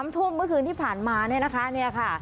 ทุ่มเมื่อคืนที่ผ่านมาเนี่ยนะคะเนี่ยค่ะ